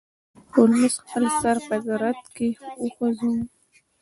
هولمز خپل سر په رد کې وخوزاوه.